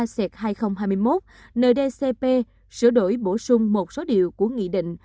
c hai nghìn hai mươi một ndcp sửa đổi bổ sung một số điều của nghị định